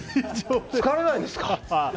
疲れないんですか？